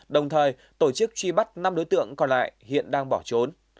đồng thời tổ chức truy bắt năm đối tượng còn lại hiện đang bỏ trốn